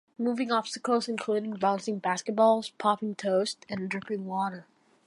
Moving obstacles include bouncing basketballs, popping toast, and dripping water.